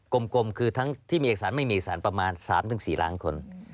กลมคือทั้งที่มีเอกสารไม่มีเอกสารประมาณ๓๔ล้านคน